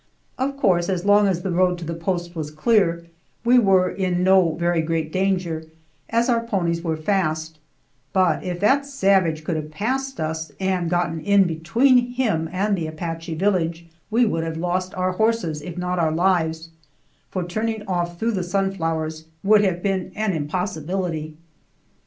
Of course, as long as the road to the post was clear we were in no very great danger, as our ponies were fast, but if that savage could have passed us and gotten us in between him and the Apache village, we would have lost our horses, if not our lives, for turning off through the sunflowers would have been an impossibility.